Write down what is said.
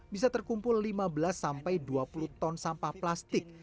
bisa terkumpul lima belas sampai dua puluh ton sampah plastik